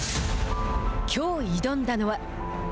きょう挑んだのは。